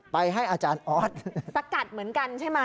ไปให้อาจารย์ออสสกัดเหมือนกันใช่ไหม